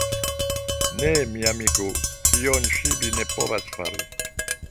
Ne, mia amiko, tion ĉi vi ne povos fari.